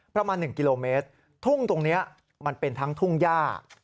ประมาณ๑กิโลเมตรทุ่งตรงนี้มันเป็นทั้งทุ่งย่า